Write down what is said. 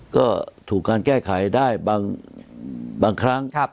ก็ถูกการแก้ไขได้บางครั้ง